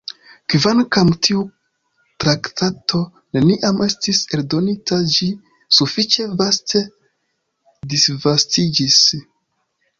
Kvankam tiu traktato neniam estis eldonita, ĝi sufiĉe vaste disvastiĝis.